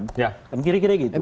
dan kira kira gitu